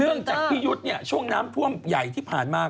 เนื่องจากพี่ยุทธ์ช่วงน้ำท่วมใหญ่ที่ผ่านมา